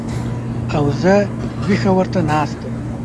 او زه وېښه ورته ناسته